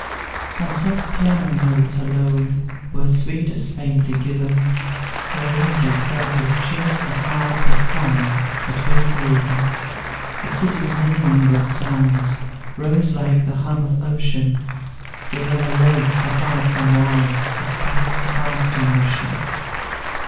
Some soft piano notes alone Were sweet as faintly given, Where ladies, doubtless, cheered the hearth With song that winter even. The city's many mingled sounds Rose like the hum of ocean; They rather lulled the heart than roused Its pulse to faster motion.